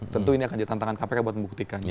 tentu ini akan jadi tantangan kpk untuk membuktikan